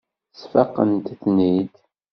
Sfaqent-ten-id.